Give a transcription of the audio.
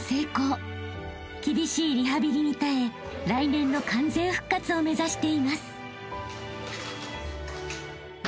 ［厳しいリハビリに耐え来年の完全復活を目指しています］